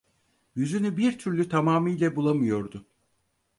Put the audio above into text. Yüzünü bir türlü tamamıyla bulamıyordu.